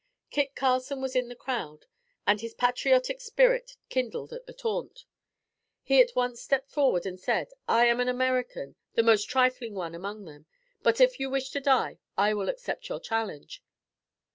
Kit Carson was in the crowd, and his patriotic spirit kindled at the taunt. He at once stepped forward and said, 'I am an American, the most trifling one among them, but if you wish to die, I will accept your challenge.'